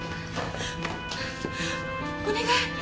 お願い